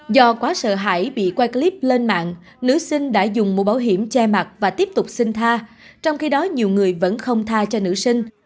do quá sợ hải bị quay clip lên mạng nữ sinh đã dùng mũ bảo hiểm che mặt và tiếp tục sinh tha trong khi đó nhiều người vẫn không tha cho nữ sinh